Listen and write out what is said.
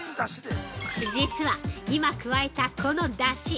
◆実は、今加えた、この出汁。